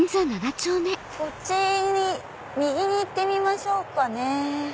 こっちに右に行ってみましょうかね。